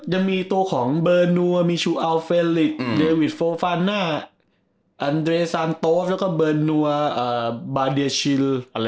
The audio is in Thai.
ยังมีตัวของเบอร์นัวมีชูอัลเฟลิกเดวิดโฟฟาน่าอันเดรซานโตฟแล้วก็เบอร์นัวบาเดียชิน